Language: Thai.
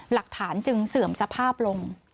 หลักฐานจึงเสื่อมสภาพลง